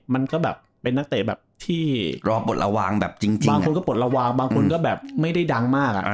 มันก็แบบเป็นนักเตะรอปฏริวางแบบจริงบางคนก็เป็นปฏราวินบางก็ไม่ได้ดังมาก